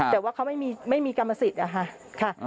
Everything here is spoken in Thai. แต่ว่าเขาไม่มีกรรมสิทธิ์อะค่ะ